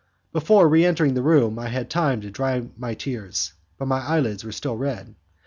Before re entering the room, I had time to dry my tears, but my eyelids were still red.